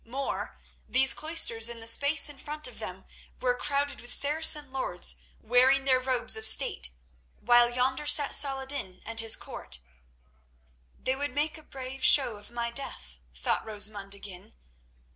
More; these cloisters and the space in front of them were crowded with Saracen lords, wearing their robes of state, while yonder sat Saladin and his court. "They would make a brave show of my death," thought Rosamund again.